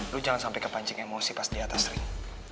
lu jangan sampai kepancing emosi pas di atas ring